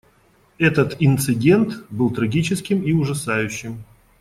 Этот инцидент был трагическим и ужасающим.